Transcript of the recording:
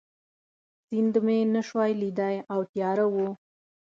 سیند مې نه شوای لیدای او تیاره وه.